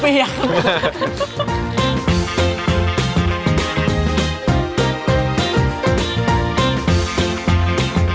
ไปยัง